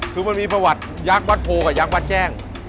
คือมันมีประวัติยักษ์วัดโพกับยักษ์วัดแจ้ง